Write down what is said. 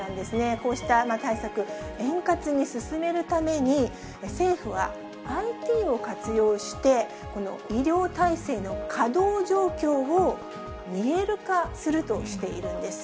こうした対策、円滑に進めるために、政府はＩＴを活用して、この医療体制の稼働状況を見える化するとしているんです。